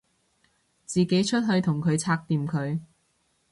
自己出去同佢拆掂佢